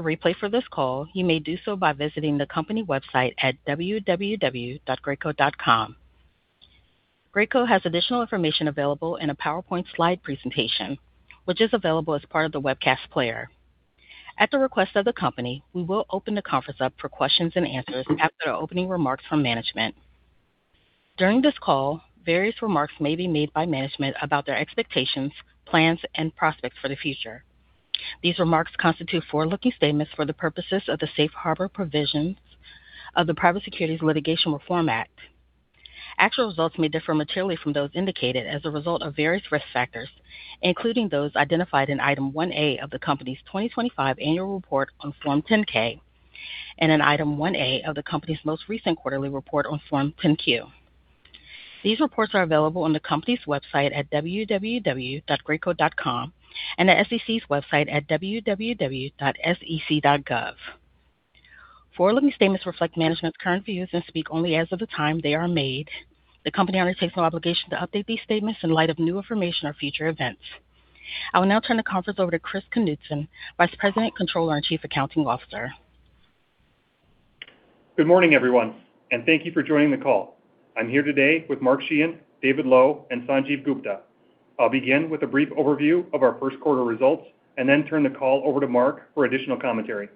Replay for this call, you may do so by visiting the company website at www.graco.com. Graco has additional information available in a PowerPoint slide presentation, which is available as part of the webcast player. At the request of the company, we will open the conference up for questions and answers after the opening remarks from management. During this call, various remarks may be made by management about their expectations, plans, and prospects for the future. These remarks constitute forward-looking statements for the purposes of the safe harbor provisions of the Private Securities Litigation Reform Act. Actual results may differ materially from those indicated as a result of various risk factors, including those identified in Item 1A of the company's 2025 annual report on Form 10-K and in Item 1A of the company's most recent quarterly report on Form 10-Q. These reports are available on the company's website at www.graco.com and the SEC's website at www.sec.gov. Forward-looking statements reflect management's current views and speak only as of the time they are made. The company undertakes no obligation to update these statements in light of new information or future events. I will now turn the conference over to Chris Knutson, Vice President, Controller, and Chief Accounting Officer. Good morning, everyone, and thank you for joining the call. I'm here today with Mark Sheahan, David Lowe, and Sanjiv Gupta. I'll begin with a brief overview of our first quarter results and then turn the call over to Mark for additional commentary.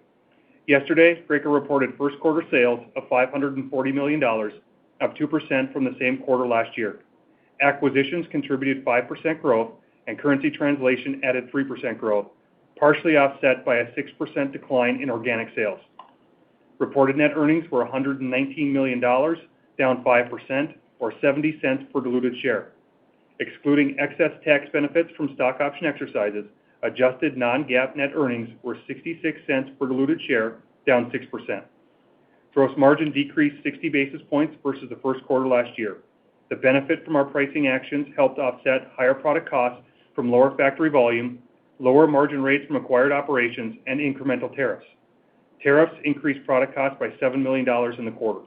Yesterday, Graco reported first quarter sales of $540 million, up 2% from the same quarter last year. Acquisitions contributed 5% growth and currency translation added 3% growth, partially offset by a 6% decline in organic sales. Reported net earnings were $119 million, down 5% or 70 cents per diluted share. Excluding excess tax benefits from stock option exercises, adjusted non-GAAP net earnings were 66 cents per diluted share, down 6%. Gross margin decreased 60 basis points versus the first quarter last year. The benefit from our pricing actions helped offset higher product costs from lower factory volume, lower margin rates from acquired operations, and incremental tariffs. Tariffs increased product costs by $7 million in the quarter.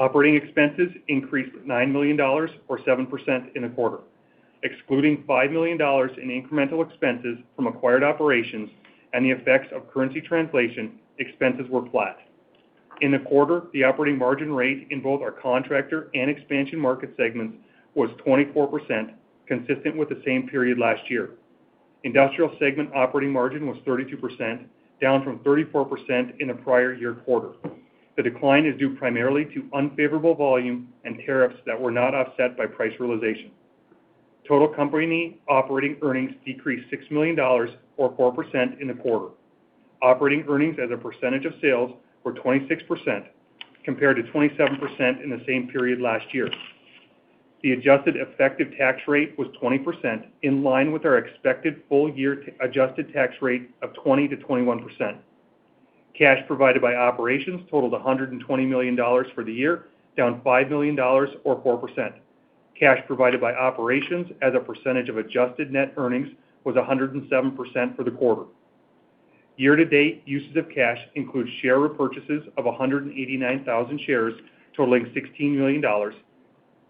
Operating expenses increased $9 million or 7% in the quarter. Excluding $5 million in incremental expenses from acquired operations and the effects of currency translation, expenses were flat. In the quarter, the operating margin rate in both our contractor and expansion market segments was 24%, consistent with the same period last year. Industrial segment operating margin was 32%, down from 34% in the prior year quarter. The decline is due primarily to unfavorable volume and tariffs that were not offset by price realization. Total company operating earnings decreased $6 million or 4% in the quarter. Operating earnings as a percentage of sales were 26% compared to 27% in the same period last year. The adjusted effective tax rate was 20%, in line with our expected full-year adjusted tax rate of 20%-21%. Cash provided by operations totaled $120 million for the year, down $5 million or 4%. Cash provided by operations as a percentage of adjusted net earnings was 107% for the quarter. Year to date, uses of cash include share repurchases of 189,000 shares totaling $16 million,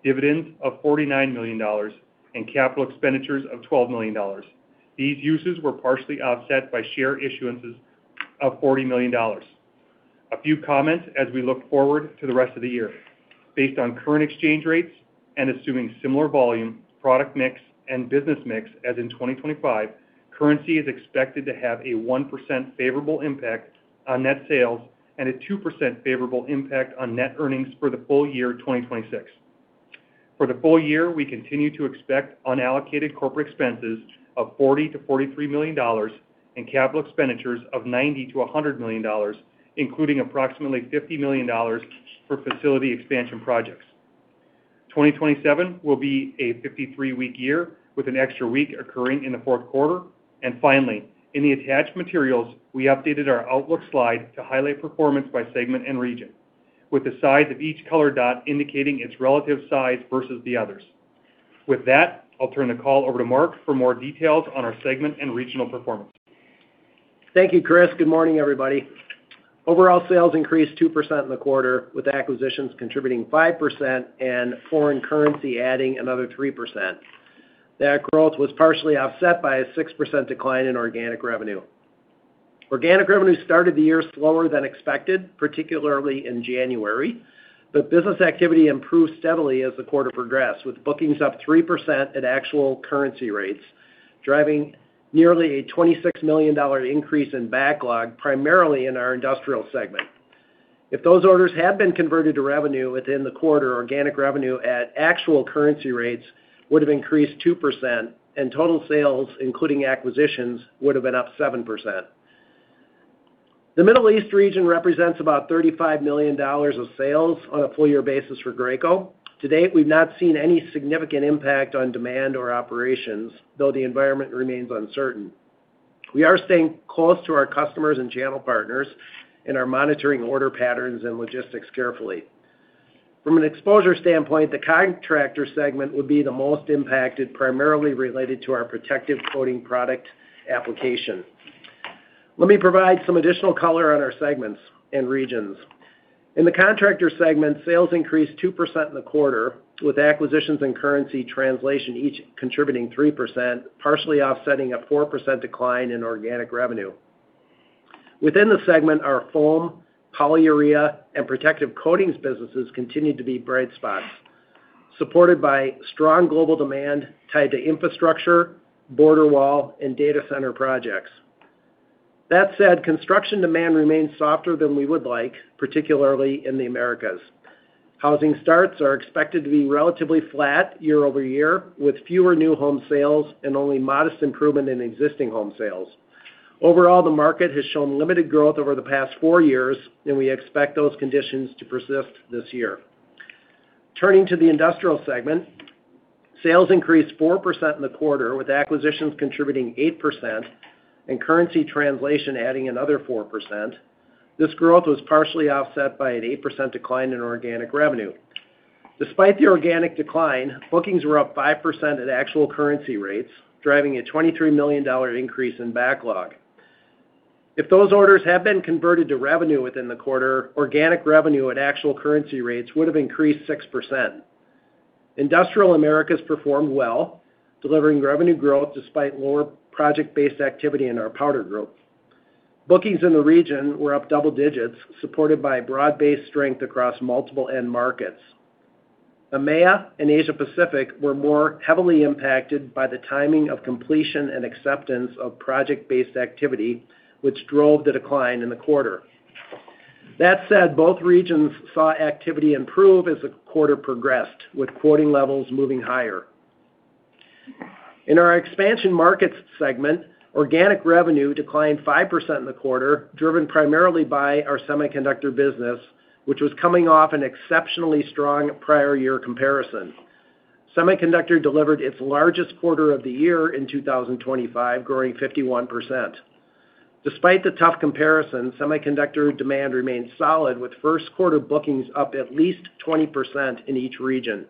dividends of $49 million, and capital expenditures of $12 million. These uses were partially offset by share issuances of $40 million. A few comments as we look forward to the rest of the year. Based on current exchange rates and assuming similar volume, product mix, and business mix as in 2025, currency is expected to have a 1% favorable impact on net sales and a 2% favorable impact on net earnings for the full year 2026. For the full year, we continue to expect unallocated corporate expenses of $40million-$43 million and capital expenditures of $90 million-$100 million, including approximately $50 million for facility expansion projects. 2027 will be a 53-week year with an extra week occurring in the fourth quarter. Finally, in the attached materials, we updated our outlook slide to highlight performance by segment and region, with the size of each color dot indicating its relative size versus the others. With that, I'll turn the call over to Mark for more details on our segment and regional performance. Thank you, Chris. Good morning, everybody. Overall sales increased 2% in the quarter, with acquisitions contributing 5% and foreign currency adding another 3%. That growth was partially offset by a 6% decline in organic revenue. Organic revenue started the year slower than expected, particularly in January, but business activity improved steadily as the quarter progressed, with bookings up 3% at actual currency rates, driving nearly a $26 million increase in backlog, primarily in our industrial segment. If those orders had been converted to revenue within the quarter, organic revenue at actual currency rates would have increased 2% and total sales, including acquisitions, would have been up 7%. The Middle East region represents about $35 million of sales on a full year basis for Graco. To date, we've not seen any significant impact on demand or operations, though the environment remains uncertain. We are staying close to our customers and channel partners and are monitoring order patterns and logistics carefully. From an exposure standpoint, the contractor segment would be the most impacted, primarily related to our protective coating product application. Let me provide some additional color on our segments and regions. In the contractor segment, sales increased 2% in the quarter, with acquisitions and currency translation each contributing 3%, partially offsetting a 4% decline in organic revenue. Within the segment, our foam, polyurea, and protective coatings businesses continued to be bright spots, supported by strong global demand tied to infrastructure, border wall, and data center projects. That said, construction demand remains softer than we would like, particularly in the Americas. Housing starts are expected to be relatively flat year over year, with fewer new home sales and only modest improvement in existing home sales. Overall, the market has shown limited growth over the past four years, and we expect those conditions to persist this year. Turning to the industrial segment, sales increased 4% in the quarter, with acquisitions contributing 8% and currency translation adding another 4%. This growth was partially offset by an 8% decline in organic revenue. Despite the organic decline, bookings were up 5% at actual currency rates, driving a $23 million increase in backlog. If those orders had been converted to revenue within the quarter, organic revenue at actual currency rates would have increased 6%. Industrial Americas performed well, delivering revenue growth despite lower project-based activity in our powder group. Bookings in the region were up double digits, supported by broad-based strength across multiple end markets. EMEA and Asia Pacific were more heavily impacted by the timing of completion and acceptance of project-based activity, which drove the decline in the quarter. That said, both regions saw activity improve as the quarter progressed, with quoting levels moving higher. In our expansion markets segment, organic revenue declined 5% in the quarter, driven primarily by our semiconductor business, which was coming off an exceptionally strong prior year comparison. Semiconductor delivered its largest quarter of the year in 2025, growing 51%. Despite the tough comparison, semiconductor demand remains solid, with first quarter bookings up at least 20% in each region.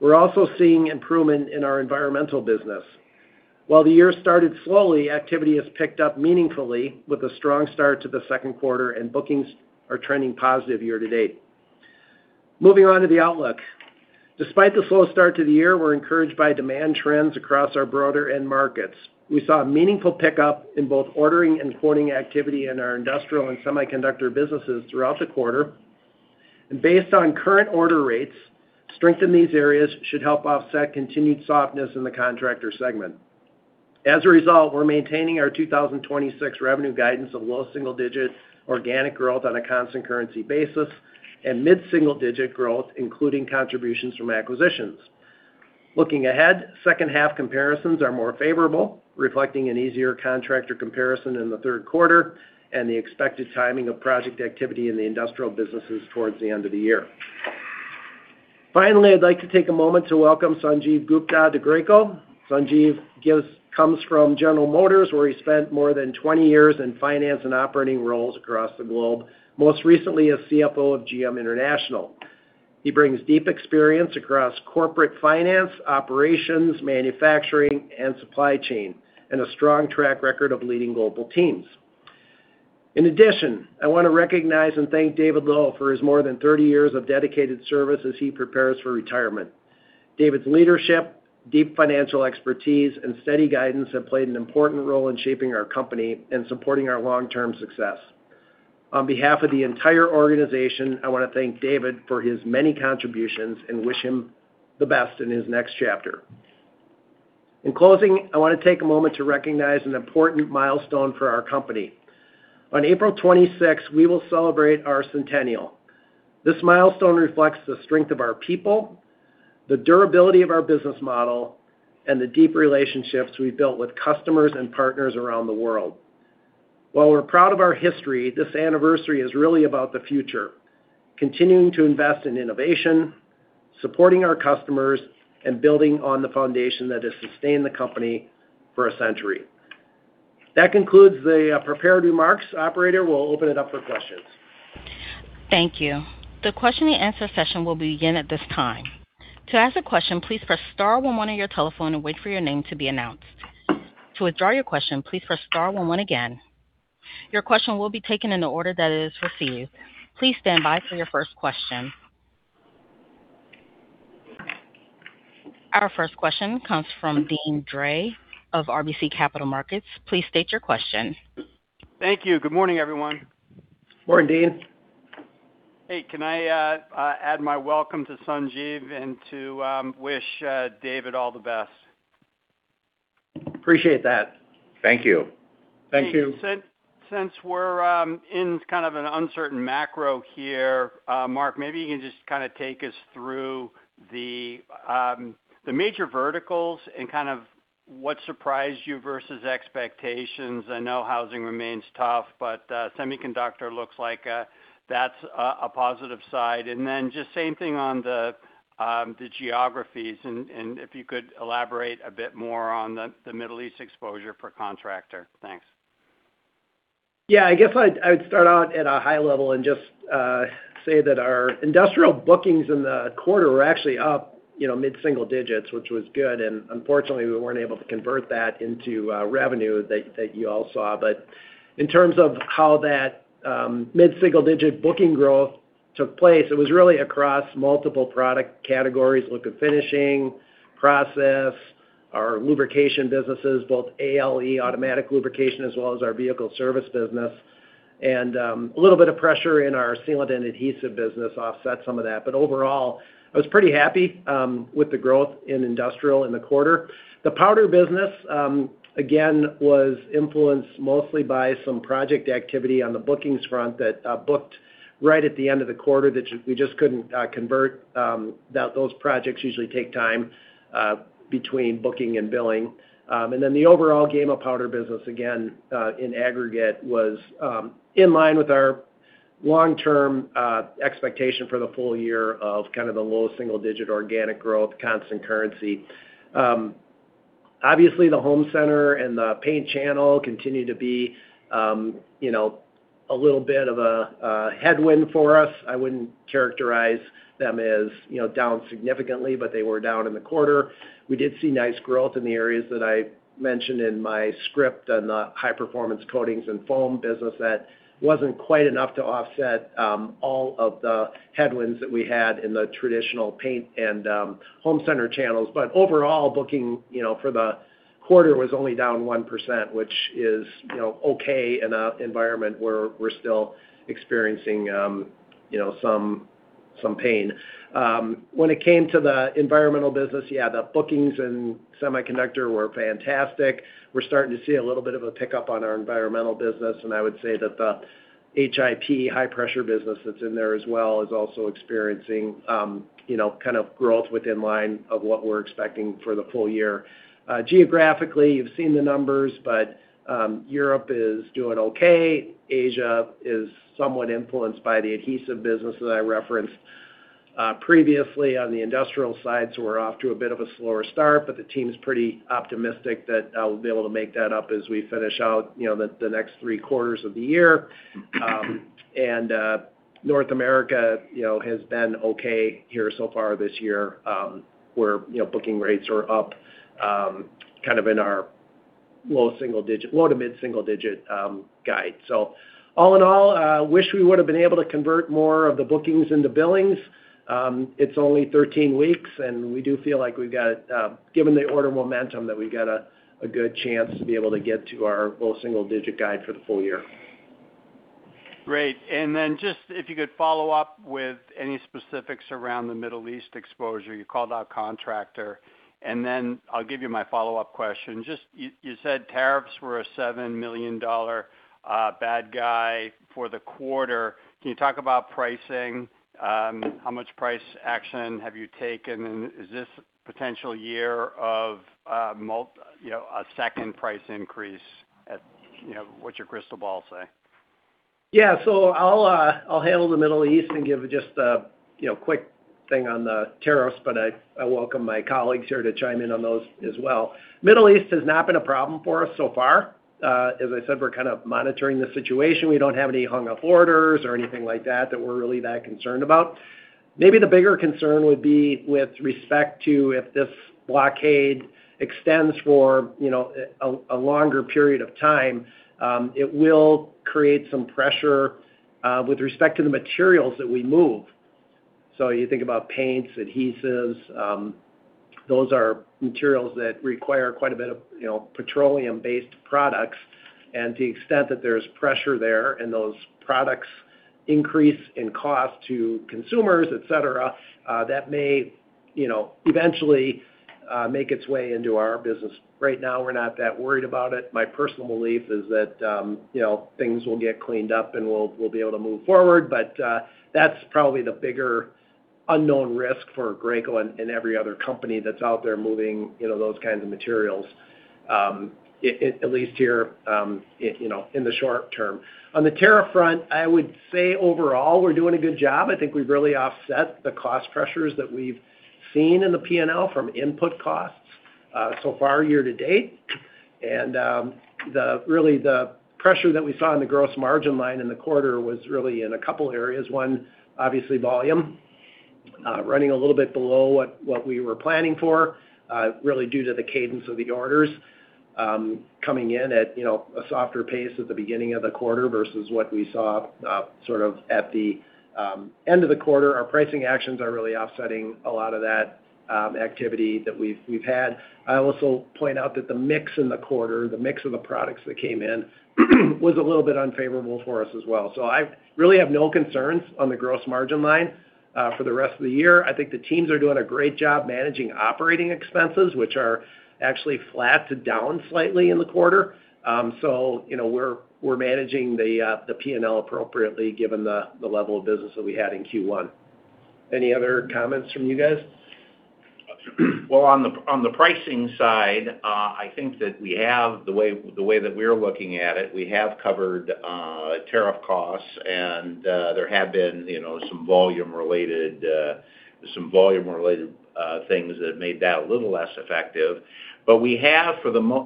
We're also seeing improvement in our environmental business. While the year started slowly, activity has picked up meaningfully with a strong start to the second quarter, and bookings are trending positive year to date. Moving on to the outlook. Despite the slow start to the year, we're encouraged by demand trends across our broader end markets. We saw a meaningful pickup in both ordering and quoting activity in our industrial and semiconductor businesses throughout the quarter, and based on current order rates, strength in these areas should help offset continued softness in the contractor segment. As a result, we're maintaining our 2026 revenue guidance of low single-digit organic growth on a constant currency basis and mid-single digit growth, including contributions from acquisitions. Looking ahead, second half comparisons are more favorable, reflecting an easier contractor comparison in the third quarter and the expected timing of project activity in the industrial businesses towards the end of the year. Finally, I'd like to take a moment to welcome Sanjiv Gupta to Graco. Sanjiv comes from General Motors, where he spent more than 20 years in finance and operating roles across the globe, most recently as CFO of GM International. He brings deep experience across corporate finance, operations, manufacturing, and supply chain, and a strong track record of leading global teams. In addition, I want to recognize and thank David Lowe for his more than 30 years of dedicated service as he prepares for retirement. David's leadership, deep financial expertise, and steady guidance have played an important role in shaping our company and supporting our long-term success. On behalf of the entire organization, I want to thank David for his many contributions and wish him the best in his next chapter. In closing, I want to take a moment to recognize an important milestone for our company. On April 26, we will celebrate our centennial. This milestone reflects the strength of our people, the durability of our business model, and the deep relationships we've built with customers and partners around the world. While we're proud of our history, this anniversary is really about the future, continuing to invest in innovation, supporting our customers, and building on the foundation that has sustained the company for a century. That concludes the prepared remarks. Operator, we'll open it up for questions. Thank you. The question and answer session will begin at this time. To ask a question, please press star one on your telephone and wait for your name to be announced. To withdraw your question, please press star one again. Your question will be taken in the order that it is received. Please stand by for your first question. Our first question comes from Deane Dray of RBC Capital Markets. Please state your question. Thank you. Good morning, everyone. Morning, Deane. Hey, can I add my welcome to Sanjiv and to wish David all the best? Appreciate that. Thank you. Thank you. Since we're in kind of an uncertain macro here, Mark, maybe you can just kind of take us through the major verticals and kind of what surprised you versus expectations. I know housing remains tough, but semiconductor looks like that's a positive side. Then just same thing on the geographies, and if you could elaborate a bit more on the Middle East exposure per contractor. Thanks. Yeah, I guess I'd start out at a high level and just say that our industrial bookings in the quarter were actually up mid-single digits, which was good, and unfortunately, we weren't able to convert that into revenue that you all saw. In terms of how that mid-single-digit booking growth took place, it was really across multiple product categories. Look at finishing, process, our lubrication businesses, both ALE, automatic lubrication, as well as our vehicle service business. A little bit of pressure in our sealant and adhesive business offset some of that. Overall, I was pretty happy with the growth in industrial in the quarter. The powder business, again, was influenced mostly by some project activity on the bookings front that booked right at the end of the quarter that we just couldn't convert. Those projects usually take time between booking and billing. The overall Gema powder business, again, in aggregate, was in line with our long-term expectation for the full year of kind of the low single-digit organic growth, constant currency. Obviously, the home center and the paint channel continue to be a little bit of a headwind for us. I wouldn't characterize them as down significantly, but they were down in the quarter. We did see nice growth in the areas that I mentioned in my script on the high-performance coatings and foam business that wasn't quite enough to offset all of the headwinds that we had in the traditional paint and home center channels. Overall, bookings for the quarter was only down 1%, which is okay in an environment where we're still experiencing some pain. When it came to the environmental business, yeah, the bookings in semiconductor were fantastic. We're starting to see a little bit of a pickup on our environmental business, and I would say that the HIP, high-pressure business that's in there as well is also experiencing kind of growth in line with what we're expecting for the full year. Geographically, you've seen the numbers, but Europe is doing okay. Asia is somewhat influenced by the adhesive business that I referenced previously on the industrial side, so we're off to a bit of a slower start, but the team's pretty optimistic that they'll be able to make that up as we finish out the next three quarters of the year. North America has been okay here so far this year, where booking rates are up kind of in our low- to mid-single-digit guide. All in all, I wish we would've been able to convert more of the bookings into billings. It's only 13 weeks, and we do feel like, given the order momentum, that we've got a good chance to be able to get to our low single-digit guide for the full year. Great. Just if you could follow up with any specifics around the Middle East exposure. You called out contractor, and then I'll give you my follow-up question. You said tariffs were a $7 million headwind for the quarter. Can you talk about pricing? How much price action have you taken, and is this a potential year of a second price increase? What's your crystal ball say? Yeah. I'll handle the Middle East and give just a quick thing on the tariffs, but I welcome my colleagues here to chime in on those as well. Middle East has not been a problem for us so far. As I said, we're kind of monitoring the situation. We don't have any hung-up orders or anything like that that we're really that concerned about. Maybe the bigger concern would be with respect to if this blockade extends for a longer period of time. It will create some pressure with respect to the materials that we move. You think about paints, adhesives, those are materials that require quite a bit of petroleum-based products, and to the extent that there's pressure there and those products increase in cost to consumers, et cetera, that may eventually make its way into our business. Right now, we're not that worried about it. My personal belief is that things will get cleaned up and we'll be able to move forward. That's probably the bigger unknown risk for Graco and every other company that's out there moving those kinds of materials, at least here in the short term. On the tariff front, I would say, overall, we're doing a good job. I think we've really offset the cost pressures that we've seen in the P&L from input costs so far year to date. Really, the pressure that we saw in the gross margin line in the quarter was really in a couple areas. One, obviously volume, running a little bit below what we were planning for, really due to the cadence of the orders coming in at a softer pace at the beginning of the quarter versus what we saw sort of at the end of the quarter. Our pricing actions are really offsetting a lot of that activity that we've had. I will also point out that the mix in the quarter, the mix of the products that came in was a little bit unfavorable for us as well. I really have no concerns on the gross margin line for the rest of the year. I think the teams are doing a great job managing operating expenses, which are actually flat to down slightly in the quarter. We're managing the P&L appropriately given the level of business that we had in Q1. Any other comments from you guys? Well, on the pricing side, I think that we have, the way that we're looking at it, we have covered tariff costs and there have been some volume-related things that have made that a little less effective. We have,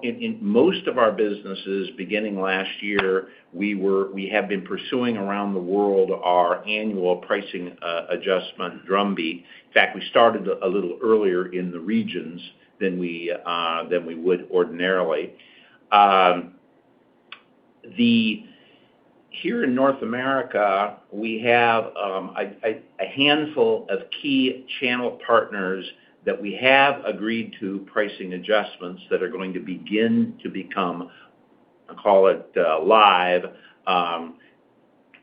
in most of our businesses, beginning last year, we have been pursuing around the world our annual pricing adjustment drum beat. In fact, we started a little earlier in the regions than we would ordinarily. Here in North America, we have a handful of key channel partners that we have agreed to pricing adjustments that are going to begin to become, call it, live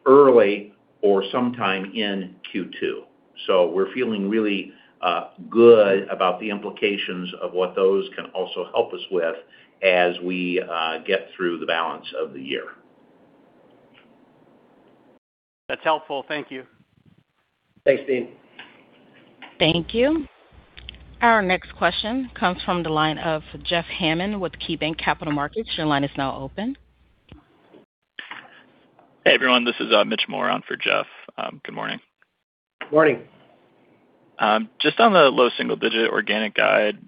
early or sometime in Q2. We're feeling really good about the implications of what those can also help us with as we get through the balance of the year. That's helpful. Thank you. Thanks, Deane. Thank you. Our next question comes from the line of Jeff Hammond with KeyBanc Capital Markets. Your line is now open. Hey, everyone, this is Mitch Moore on for Jeff. Good morning. Morning. Just on the low single-digit organic guide,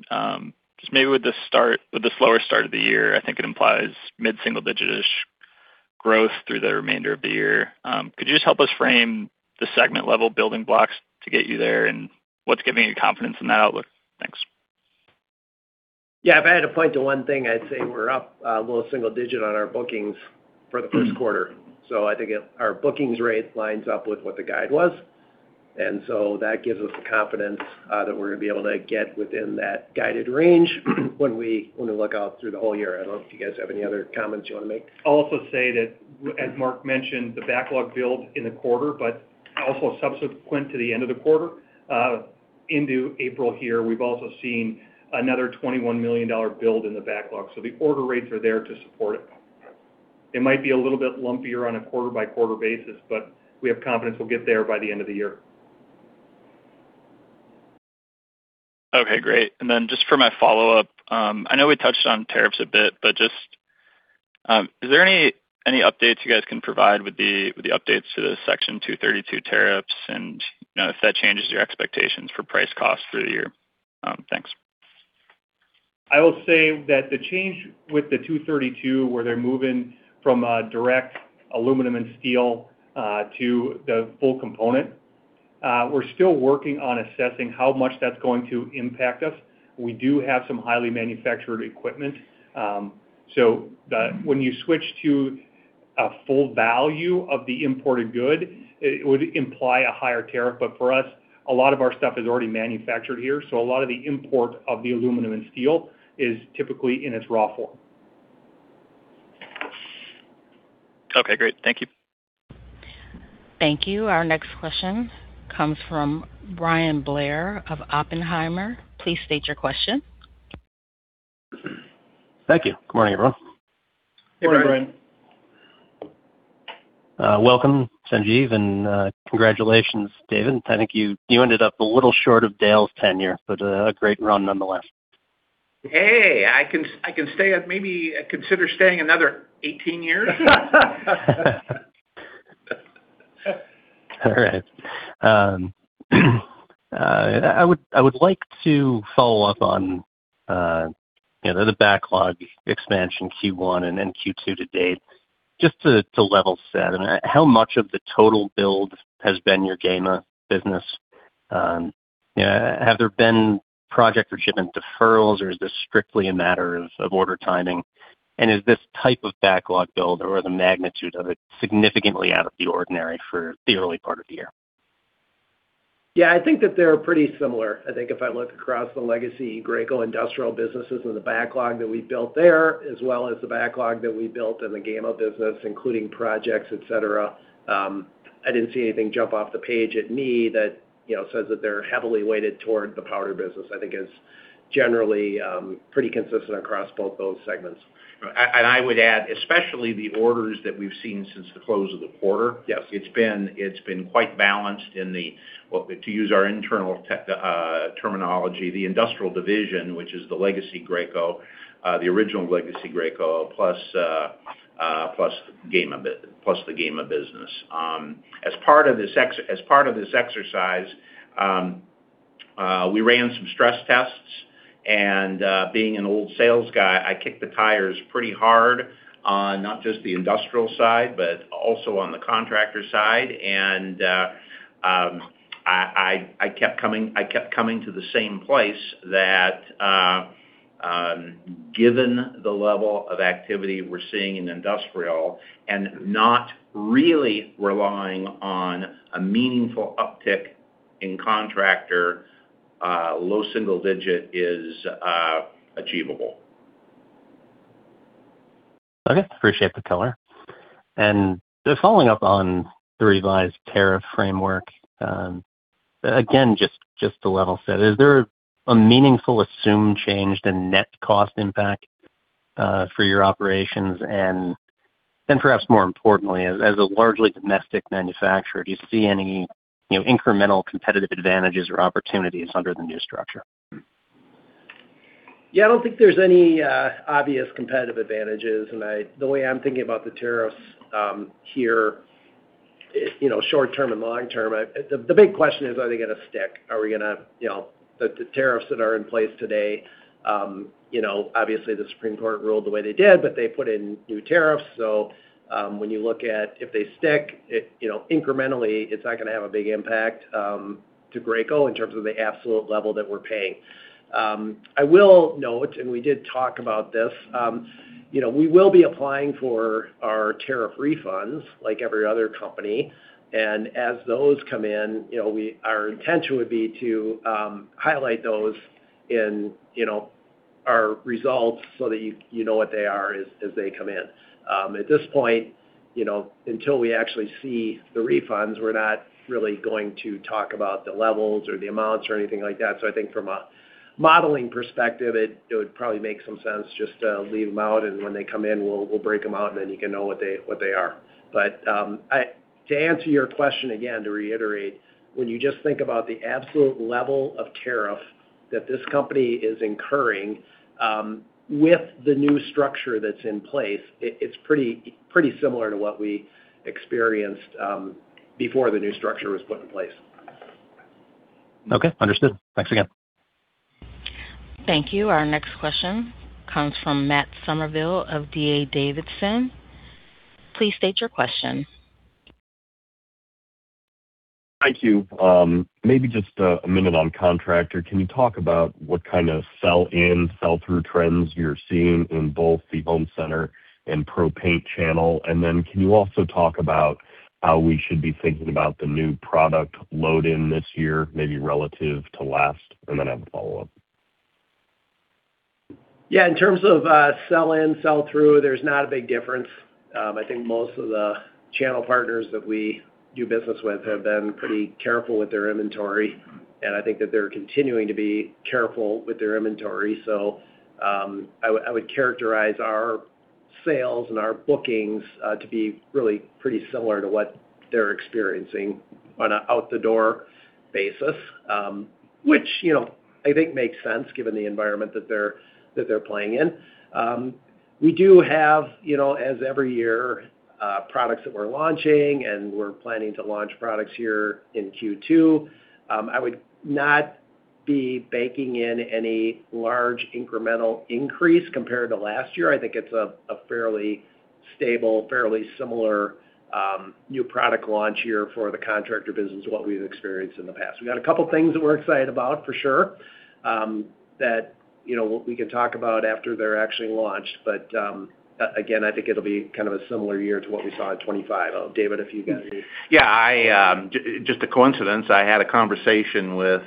just maybe with the slower start of the year, I think it implies mid-single-digit-ish growth through the remainder of the year. Could you just help us frame the segment-level building blocks to get you there and what's giving you confidence in that outlook? Thanks. Yeah. If I had to point to one thing, I'd say we're up low single digit on our bookings for the first quarter. I think our bookings rate lines up with what the guide was. That gives us the confidence that we're going to be able to get within that guided range when we look out through the whole year. I don't know if you guys have any other comments you want to make. I'll also say that, as Mark mentioned, the backlog build in the quarter, but also subsequent to the end of the quarter, into April here, we've also seen another $21 million build in the backlog. The order rates are there to support it. It might be a little bit lumpier on a quarter-by-quarter basis, but we have confidence we'll get there by the end of the year. Okay, great. Just for my follow-up, I know we touched on tariffs a bit, but just, is there any updates you guys can provide with the updates to the Section 232 tariffs and if that changes your expectations for price costs through the year? Thanks. I will say that the change with the 232, where they're moving from a direct aluminum and steel to the full component, we're still working on assessing how much that's going to impact us. We do have some highly manufactured equipment. When you switch to a full value of the imported good, it would imply a higher tariff. For us, a lot of our stuff is already manufactured here, so a lot of the import of the aluminum and steel is typically in its raw form. Okay, great. Thank you. Thank you. Our next question comes from Bryan Blair of Oppenheimer. Please state your question. Thank you. Good morning, everyone. Good morning. Morning, Bryan. Welcome, Sanjiv, and congratulations, David. I think you ended up a little short of Dale's tenure, but a great run nonetheless. Hey, I can maybe consider staying another 18 years. All right. I would like to follow up on the backlog expansion Q1 and then Q2 to date. Just to level set, how much of the total build has been your Gema business? Have there been project or shipment deferrals, or is this strictly a matter of order timing? Is this type of backlog build or the magnitude of it significantly out of the ordinary for the early part of the year? Yeah, I think that they're pretty similar. I think if I look across the legacy Graco industrial businesses and the backlog that we built there as well as the backlog that we built in the Gema business, including projects, et cetera, I didn't see anything jump off the page at me that says that they're heavily weighted toward the powder business. I think it's generally pretty consistent across both those segments. I would add, especially the orders that we've seen since the close of the quarter. Yes. It's been quite balanced in the, to use our internal terminology, the industrial division, which is the original legacy Graco plus the Gema business. As part of this exercise, we ran some stress tests, and being an old sales guy, I kicked the tires pretty hard on not just the industrial side, but also on the contractor side. I kept coming to the same place that given the level of activity we're seeing in industrial and not really relying on a meaningful uptick in contractor, low single-digit is achievable. Okay. Appreciate the color. Just following up on the revised tariff framework. Again, just to level set, is there a meaningful assumed change to net cost impact for your operations? Perhaps more importantly, as a largely domestic manufacturer, do you see any incremental competitive advantages or opportunities under the new structure? Yeah, I don't think there's any obvious competitive advantages. The way I'm thinking about the tariffs here, short term and long term, the big question is, are they going to stick? The tariffs that are in place today, obviously the Supreme Court ruled the way they did, but they put in new tariffs. When you look at if they stick, incrementally, it's not going to have a big impact to Graco in terms of the absolute level that we're paying. I will note, and we did talk about this, we will be applying for our tariff refunds like every other company. As those come in, our intention would be to highlight those in our results so that you know what they are as they come in. At this point, until we actually see the refunds, we're not really going to talk about the levels or the amounts or anything like that. I think from a modeling perspective, it would probably make some sense just to leave them out, and when they come in, we'll break them out, and then you can know what they are. To answer your question, again, to reiterate, when you just think about the absolute level of tariff that this company is incurring with the new structure that's in place, it's pretty similar to what we experienced before the new structure was put in place. Okay, understood. Thanks again. Thank you. Our next question comes from Matt Summerville of D.A. Davidson. Please state your question. Thank you. Maybe just a minute on contractor. Can you talk about what kind of sell-in, sell-through trends you're seeing in both the home center and pro paint channel? Can you also talk about how we should be thinking about the new product load-in this year, maybe relative to last? I have a follow-up. Yeah. In terms of sell-in, sell-through, there's not a big difference. I think most of the channel partners that we do business with have been pretty careful with their inventory, and I think that they're continuing to be careful with their inventory. I would characterize our sales and our bookings to be really pretty similar to what they're experiencing on an out-the-door basis, which I think makes sense given the environment that they're playing in. We do have, as every year, products that we're launching, and we're planning to launch products here in Q2. I would not be baking in any large incremental increase compared to last year. I think it's a fairly stable, fairly similar new product launch here for the contractor business to what we've experienced in the past. We've got a couple things that we're excited about, for sure, that we can talk about after they're actually launched. Again, I think it'll be kind of a similar year to what we saw in 2025. David, if you've got any. Yeah. Just a coincidence, I had a conversation with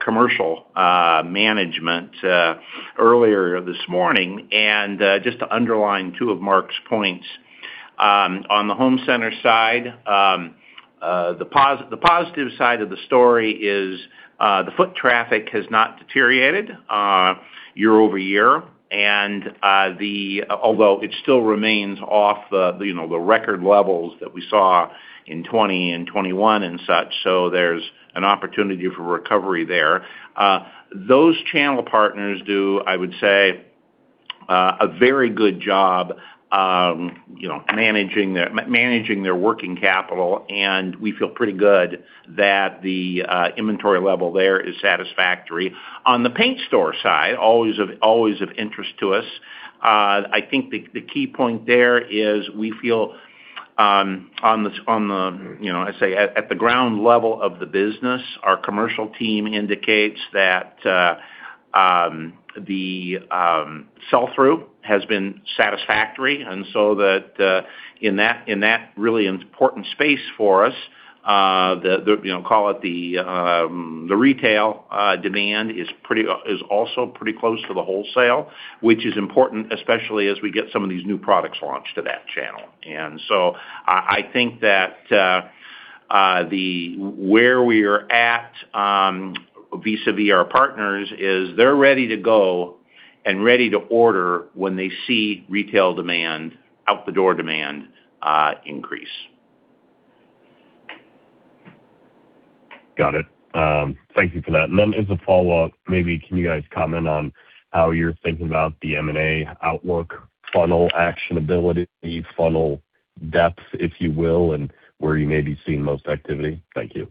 commercial management earlier this morning, and just to underline two of Mark's points. On the home center side, the positive side of the story is the foot traffic has not deteriorated year over year, although it still remains off the record levels that we saw in 2020 and 2021 and such, so there's an opportunity for recovery there. Those channel partners do, I would say, a very good job managing their working capital, and we feel pretty good that the inventory level there is satisfactory. On the paint store side, always of interest to us, I think the key point there is we feel, at the ground level of the business, our commercial team indicates that the sell-through has been satisfactory, and so in that really important space for us, call it the retail demand is also pretty close to the wholesale, which is important, especially as we get some of these new products launched to that channel. I think that where we're at vis-a-vis our partners is they're ready to go and ready to order when they see retail demand, out the door demand increase. Got it. Thank you for that. As a follow-up, maybe can you guys comment on how you're thinking about the M&A outlook funnel actionability, funnel depth, if you will, and where you may be seeing most activity? Thank you.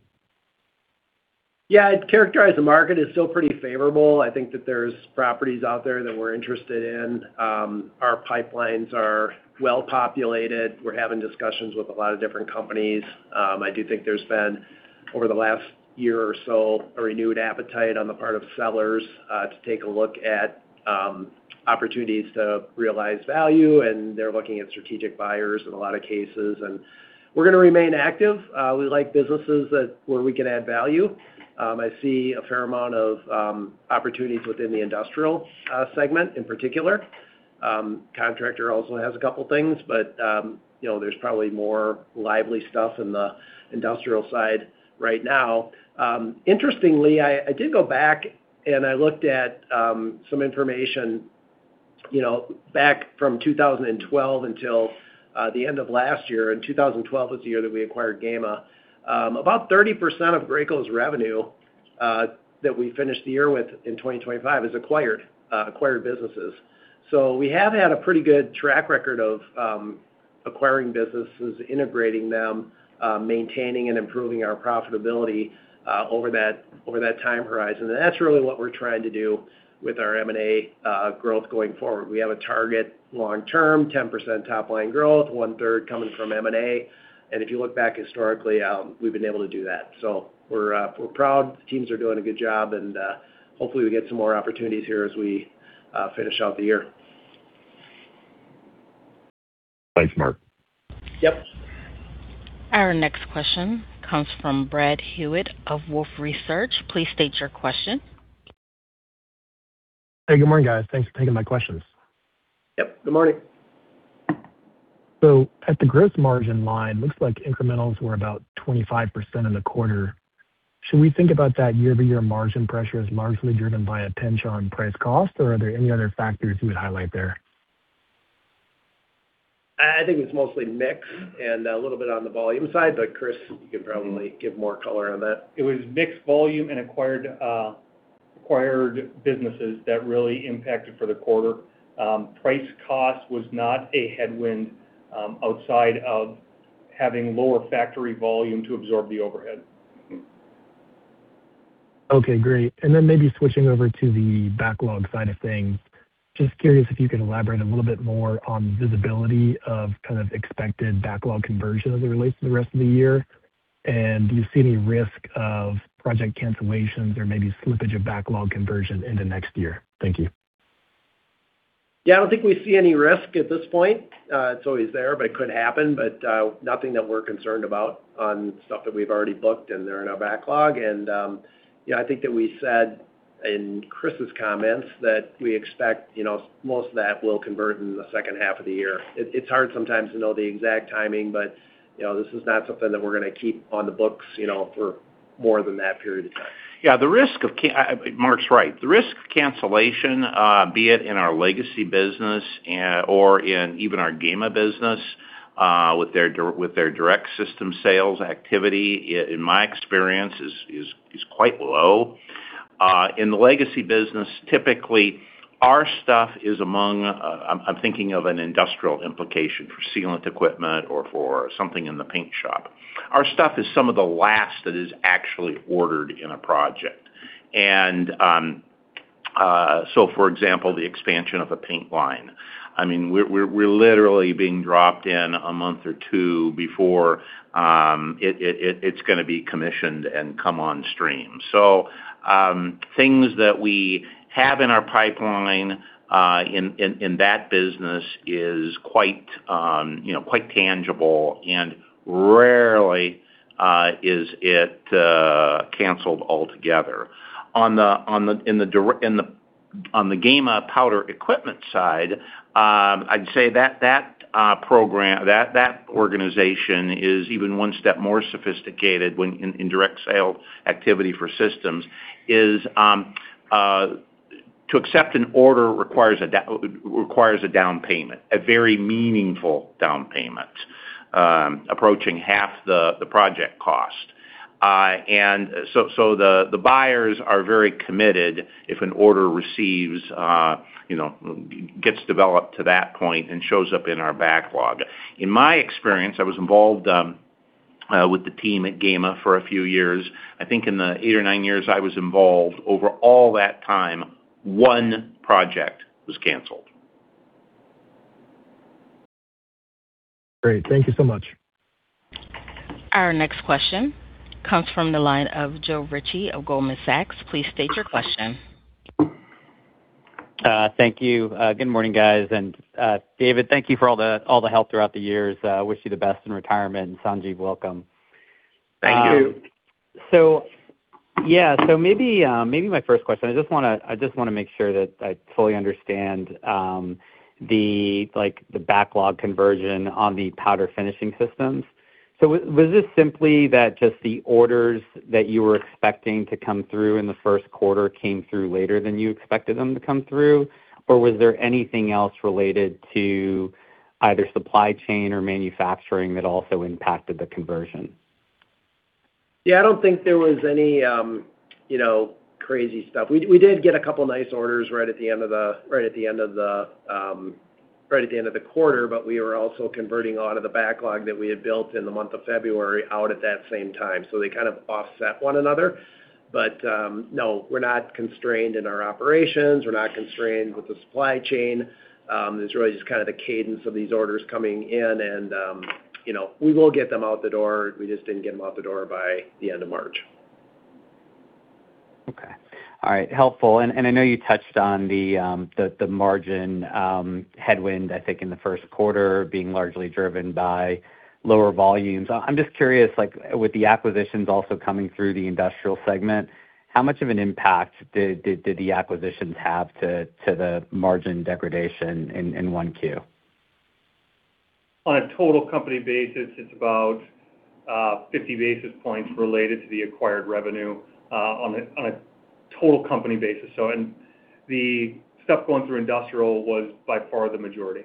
Yeah. I'd characterize the market as still pretty favorable. I think that there's properties out there that we're interested in. Our pipelines are well-populated. We're having discussions with a lot of different companies. I do think there's been, over the last year or so, a renewed appetite on the part of sellers to take a look at opportunities to realize value, and they're looking at strategic buyers in a lot of cases. We're going to remain active. We like businesses where we can add value. I see a fair amount of opportunities within the industrial segment in particular. Contractor also has a couple things, but there's probably more lively stuff in the industrial side right now. Interestingly, I did go back, and I looked at some information back from 2012 until the end of last year. 2012 was the year that we acquired Gema. About 30% of Graco's revenue that we finished the year with in 2025 is acquired businesses. We have had a pretty good track record of acquiring businesses, integrating them, maintaining and improving our profitability over that time horizon. That's really what we're trying to do with our M&A growth going forward. We have a target long term, 10% top line growth, one-third coming from M&A. If you look back historically, we've been able to do that. We're proud. The teams are doing a good job, and hopefully we get some more opportunities here as we finish out the year. Thanks, Mark. Yep. Our next question comes from Brad Hewitt of Wolfe Research. Please state your question. Hey, good morning, guys. Thanks for taking my questions. Yep, good morning. At the gross margin line, looks like incrementals were about 25% in the quarter. Should we think about that year-over-year margin pressure as largely driven by a pinch on price cost, or are there any other factors you would highlight there? I think it's mostly mix and a little bit on the volume side, but Chris, you can probably give more color on that. It was mix volume and acquired businesses that really impacted for the quarter. Price cost was not a headwind outside of having lower factory volume to absorb the overhead. Okay, great. Maybe switching over to the backlog side of things, just curious if you could elaborate a little bit more on visibility of kind of expected backlog conversion as it relates to the rest of the year, and do you see any risk of project cancellations or maybe slippage of backlog conversion into next year? Thank you. Yeah, I don't think we see any risk at this point. It's always there, but it could happen. Nothing that we're concerned about on stuff that we've already booked and they're in our backlog. I think that we said in Chris's comments that we expect most of that will convert in the second half of the year. It's hard sometimes to know the exact timing, but this is not something that we're going to keep on the books for more than that period of time. Yeah, Mark's right. The risk of cancellation, be it in our legacy business or in even our Gema business, with their direct system sales activity, in my experience, is quite low. In the legacy business, typically, our stuff is among, I'm thinking of an industrial implication for sealant equipment or for something in the paint shop. Our stuff is some of the last that is actually ordered in a project. For example, the expansion of a paint line. We're literally being dropped in a month or two before it's going to be commissioned and come on stream. Things that we have in our pipeline, in that business is quite tangible and rarely is it canceled altogether. On the Gema powder equipment side, I'd say that program, that organization is even one step more sophisticated in direct sale activity for systems. To accept an order requires a down payment, a very meaningful down payment, approaching half the project cost. The buyers are very committed if an order is received, gets developed to that point and shows up in our backlog. In my experience, I was involved with the team at Gema for a few years. I think in the eight or nine years I was involved, over all that time, one project was canceled. Great. Thank you so much. Our next question comes from the line of Joe Ritchie of Goldman Sachs. Please state your question. Thank you. Good morning, guys, and David, thank you for all the help throughout the years. Wish you the best in retirement, and Sanjiv, welcome. Thank you. Maybe my first question, I just want to make sure that I fully understand the backlog conversion on the powder finishing systems. Was this simply that just the orders that you were expecting to come through in the first quarter came through later than you expected them to come through? Was there anything else related to either supply chain or manufacturing that also impacted the conversion? Yeah, I don't think there was any crazy stuff. We did get a couple nice orders right at the end of the quarter, but we were also converting out of the backlog that we had built in the month of February out at that same time. They kind of offset one another. We're not constrained in our operations. We're not constrained with the supply chain. It's really just kind of the cadence of these orders coming in and we will get them out the door. We just didn't get them out the door by the end of March. Okay. All right. Helpful. I know you touched on the margin headwind, I think in the first quarter being largely driven by lower volumes. I'm just curious, with the acquisitions also coming through the industrial segment, how much of an impact did the acquisitions have to the margin degradation in 1Q? On a total company basis, it's about 50 basis points related to the acquired revenue on a total company basis. The stuff going through industrial was by far the majority.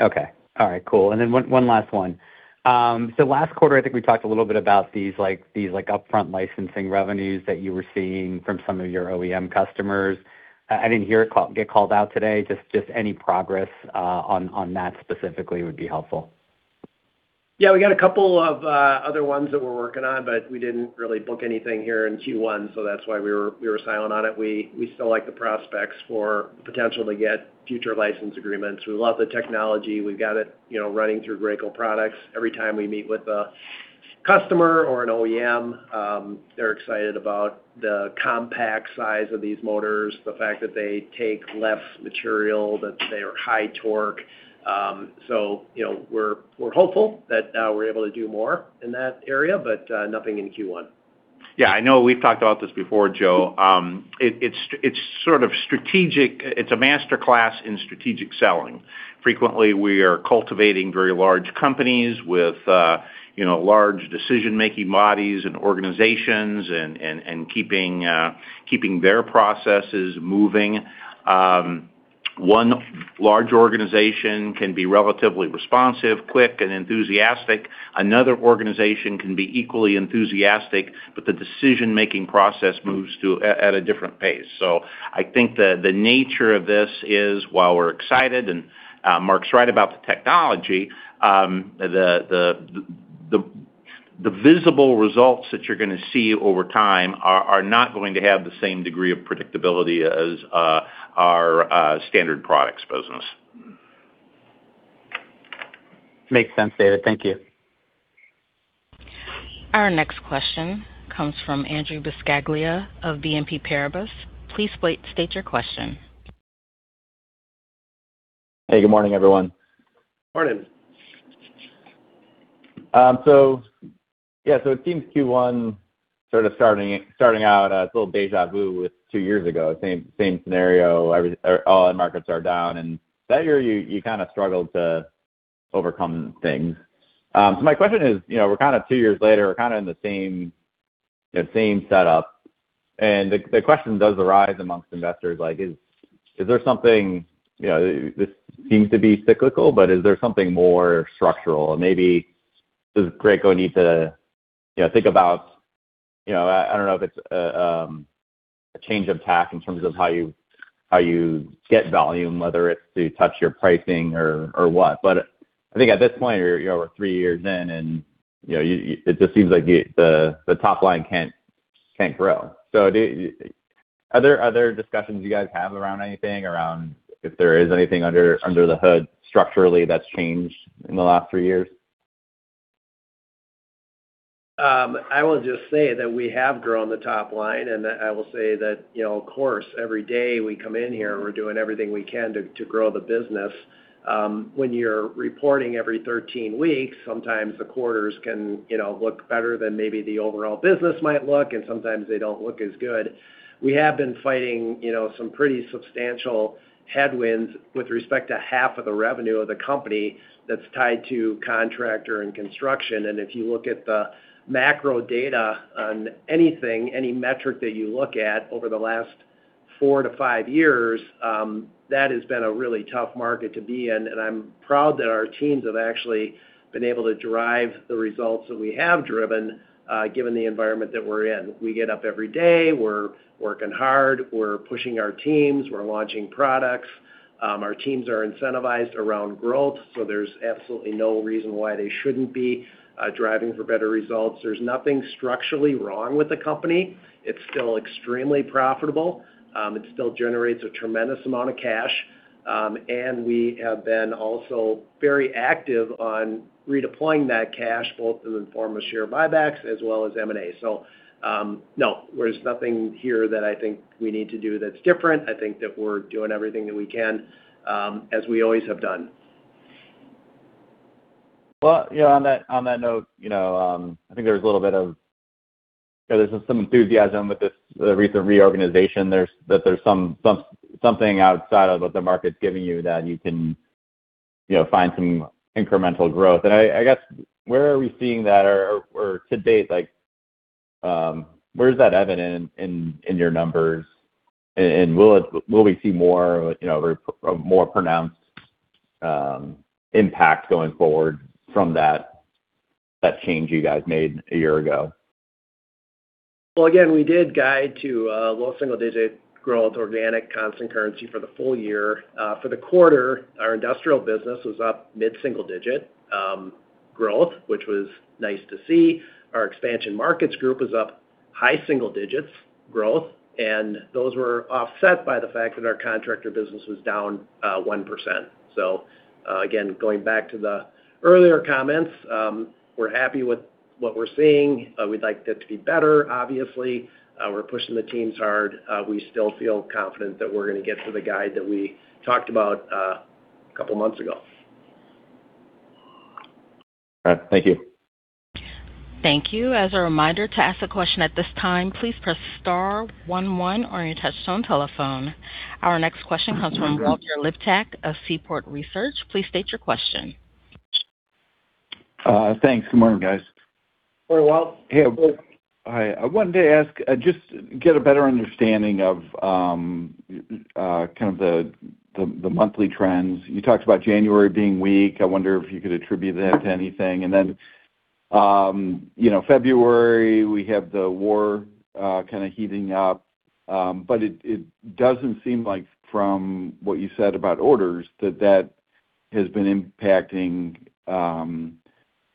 Okay. All right, cool. One last one. Last quarter, I think we talked a little bit about these upfront licensing revenues that you were seeing from some of your OEM customers. I didn't hear it get called out today. Just any progress on that specifically would be helpful. Yeah. We got a couple of other ones that we're working on, but we didn't really book anything here in Q1, so that's why we were silent on it. We still like the prospects for potential to get future license agreements. We love the technology. We've got it running through Graco products. Every time we meet with a customer or an OEM, they're excited about the compact size of these motors, the fact that they take less material, that they are high torque. We're hopeful that we're able to do more in that area, but nothing in Q1. Yeah, I know we've talked about this before, Joe. It's a master class in strategic selling. Frequently, we are cultivating very large companies with large decision-making bodies and organizations, and keeping their processes moving. One large organization can be relatively responsive, quick, and enthusiastic. Another organization can be equally enthusiastic, but the decision-making process moves at a different pace. I think the nature of this is while we're excited, and Mark's right about the technology, the visible results that you're going to see over time are not going to have the same degree of predictability as our standard products business. Makes sense, David. Thank you. Our next question comes from Andrew Buscaglia of BNP Paribas. Please state your question. Hey, good morning, everyone. Morning. It seems Q1 sort of starting out, it's a little déjà vu with two years ago, same scenario, all end markets are down, and that year you kind of struggled to overcome things. My question is, we're kind of two years later, we're kind of in the same setup and the question does arise amongst investors like, this seems to be cyclical, but is there something more structural? Maybe does Graco need to think about, I don't know if it's a change of tack in terms of how you get volume, whether it's through tougher pricing or what. But I think at this point you're over three years in and it just seems like the top line can't grow. Are there other discussions you guys have around anything, around if there is anything under the hood structurally that's changed in the last three years? I will just say that we have grown the top line, and I will say that, of course, every day we come in here, we're doing everything we can to grow the business. When you're reporting every 13 weeks, sometimes the quarters can look better than maybe the overall business might look, and sometimes they don't look as good. We have been fighting some pretty substantial headwinds with respect to half of the revenue of the company that's tied to contractor and construction. If you look at the macro data on anything, any metric that you look at over the last four to five years, that has been a really tough market to be in, and I'm proud that our teams have actually been able to derive the results that we have driven, given the environment that we're in. We get up every day. We're working hard. We're pushing our teams. We're launching products. Our teams are incentivized around growth, so there's absolutely no reason why they shouldn't be driving for better results. There's nothing structurally wrong with the company. It's still extremely profitable. It still generates a tremendous amount of cash. We have been also very active on redeploying that cash, both in the form of share buybacks as well as M&A. No, there's nothing here that I think we need to do that's different. I think that we're doing everything that we can, as we always have done. Well, on that note, I think there's some enthusiasm with this recent reorganization that there's something outside of what the market's giving you that you can find some incremental growth. I guess where are we seeing that or to date, where is that evident in your numbers? Will we see a more pronounced impact going forward from that change you guys made a year ago? Well, again, we did guide to low single-digit growth, organic constant currency for the full year. For the quarter, our industrial business was up mid-single-digit growth, which was nice to see. Our expansion markets group was up high single-digits growth, and those were offset by the fact that our contractor business was down 1%. Again, going back to the earlier comments, we're happy with what we're seeing. We'd like that to be better, obviously. We're pushing the teams hard. We still feel confident that we're going to get to the guide that we talked about a couple of months ago. All right. Thank you. Thank you. As a reminder, to ask a question at this time, please press star one one on your touchtone telephone. Our next question comes from Walter Liptak of Seaport Research. Please state your question. Thanks. Good morning, guys. Morning, Walt. Hey. I wanted to ask, just get a better understanding of kind of the monthly trends. You talked about January being weak. I wonder if you could attribute that to anything. Then February, we have the war kind of heating up. It doesn't seem like from what you said about orders, that has been impacting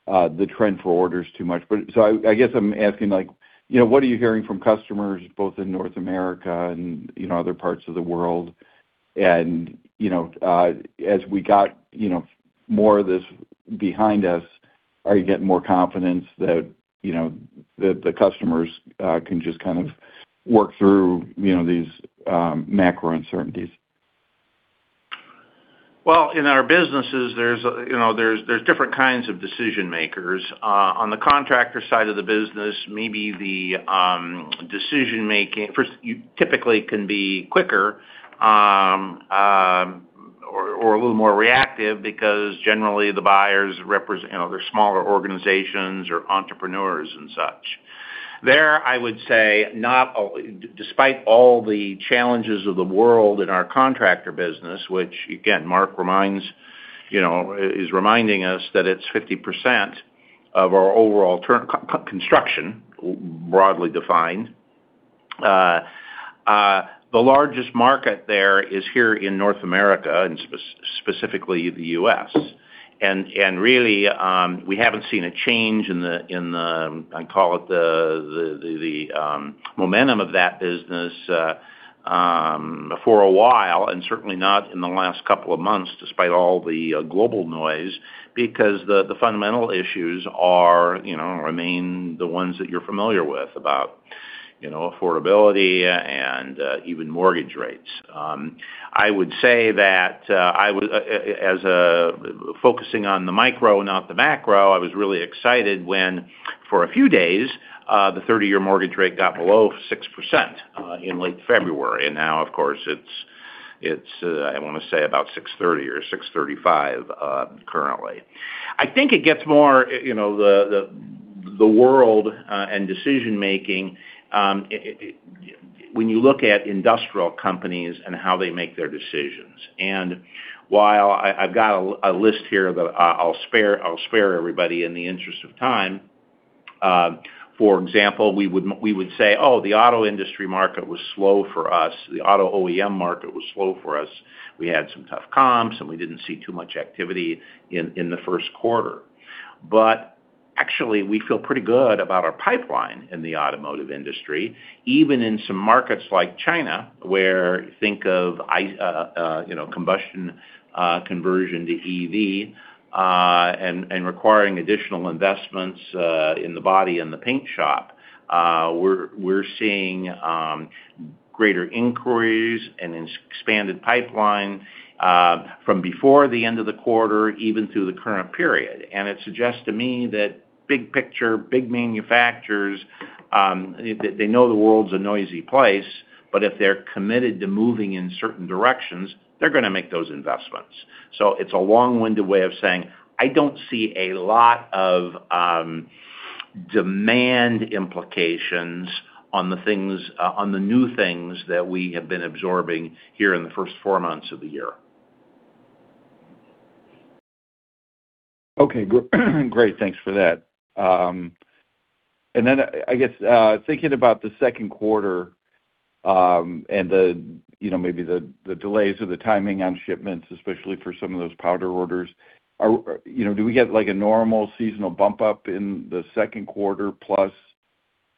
the trend for orders too much. I guess I'm asking, what are you hearing from customers both in North America and other parts of the world? As we got more of this behind us, are you getting more confidence that the customers can just kind of work through these macro uncertainties? Well, in our businesses, there's different kinds of decision-makers. On the contractor side of the business, maybe the decision-making, first, you typically can be quicker or a little more reactive because generally the buyers, they're smaller organizations or entrepreneurs and such. There, I would say, despite all the challenges of the world in our contractor business, which again, Mark is reminding us that it's 50% of our overall construction, broadly defined. The largest market there is here in North America and specifically the U.S. Really, we haven't seen a change in the, I call it the momentum of that business for a while, and certainly not in the last couple of months, despite all the global noise, because the fundamental issues remain the ones that you're familiar with, about affordability and even mortgage rates. I would say that focusing on the micro not the macro, I was really excited when, for a few days, the 30-year mortgage rate got below 6% in late February. Now, of course, it's, I want to say, about 6.30 or 6.35 currently. I think it gets more to the world and decision-making, when you look at industrial companies and how they make their decisions. While I've got a list here, I'll spare everybody in the interest of time. For example, we would say, "Oh, the auto industry market was slow for us. The auto OEM market was slow for us. We had some tough comps, and we didn't see too much activity in the first quarter. Actually, we feel pretty good about our pipeline in the automotive industry, even in some markets like China, where, think of combustion conversion to EV and requiring additional investments in the body and the paint shop. We're seeing greater inquiries and expanded pipeline from before the end of the quarter, even through the current period. It suggests to me that big picture, big manufacturers, they know the world's a noisy place, but if they're committed to moving in certain directions, they're going to make those investments. It's a long-winded way of saying, I don't see a lot of demand implications on the new things that we have been absorbing here in the first four months of the year. Okay. Great. Thanks for that. I guess thinking about the second quarter, and maybe the delays or the timing on shipments, especially for some of those powder orders, do we get a normal seasonal bump up in the second quarter plus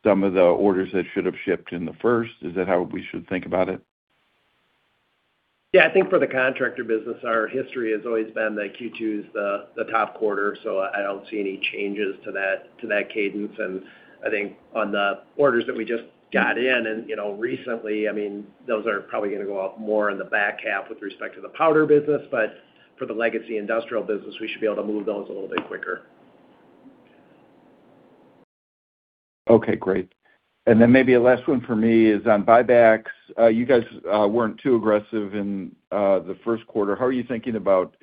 some of the orders that should have shipped in the first? Is that how we should think about it? Yeah, I think for the contractor business, our history has always been that Q2 is the top quarter, so I don't see any changes to that cadence. I think on the orders that we just got in and recently, those are probably going to go up more in the back half with respect to the powder business, but for the legacy industrial business, we should be able to move those a little bit quicker. Okay, great. Maybe a last one for me is on buybacks. You guys weren't too aggressive in the first quarter. How are you thinking about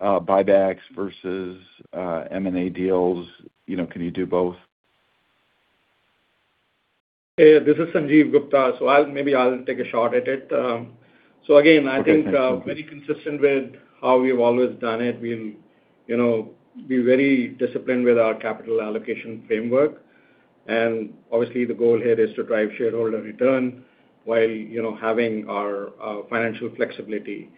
buybacks versus M&A deals? Can you do both? Hey, this is Sanjiv Gupta. Maybe I'll take a shot at it. Again, I think very consistent with how we've always done it, we'll be very disciplined with our capital allocation framework. Obviously, the goal here is to drive shareholder return while having our financial flexibility.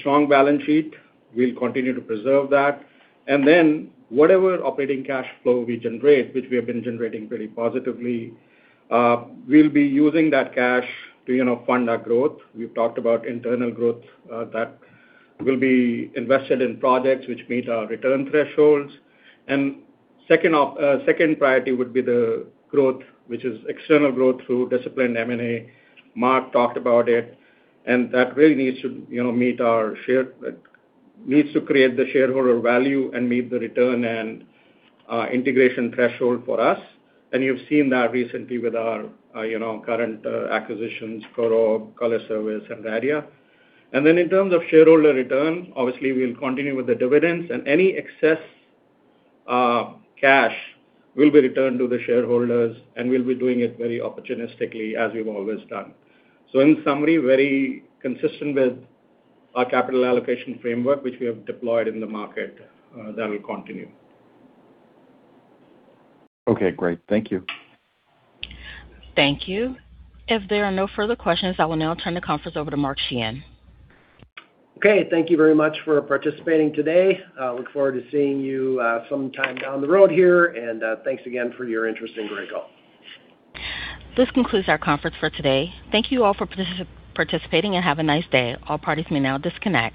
Strong balance sheet, we'll continue to preserve that. Then whatever operating cash flow we generate, which we have been generating very positively, we'll be using that cash to fund our growth. We've talked about internal growth that will be invested in projects which meet our return thresholds. Second priority would be the growth, which is external growth through disciplined M&A. Mark talked about it, and that really needs to create the shareholder value and meet the return and integration threshold for us. You've seen that recently with our current acquisitions, Corob, Color Service, and Radia. In terms of shareholder return, obviously, we'll continue with the dividends, and any excess cash will be returned to the shareholders, and we'll be doing it very opportunistically, as we've always done. In summary, very consistent with our capital allocation framework, which we have deployed in the market, that will continue. Okay, great. Thank you. Thank you. If there are no further questions, I will now turn the conference over to Mark Sheahan. Okay, thank you very much for participating today. I look forward to seeing you sometime down the road here, and thanks again for your interest in Graco. This concludes our conference for today. Thank you all for participating and have a nice day. All parties may now disconnect.